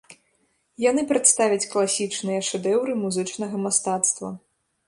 Яны прадставяць класічныя шэдэўры музычнага мастацтва.